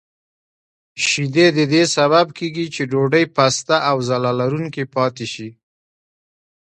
شیدې د دې سبب کېږي چې ډوډۍ پسته او ځلا لرونکې پاتې شي.